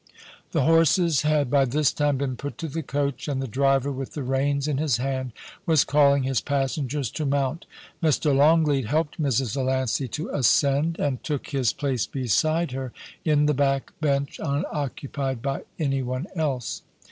The horses had by this time been put to the coach, and the driver, with the reins in his hand, was calling his passen gers to mount Mr. Longleat helped Mrs. Valiancy to ascend, and took his place beside her in the back bench unoccupied by any one else.